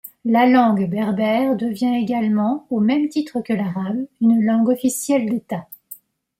La langue berbère devient également, au même titre que l'arabe, une langue officielle d'État.